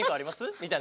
みたいな。